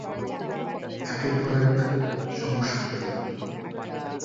একের পর এক সমস্যা হতে লাগল।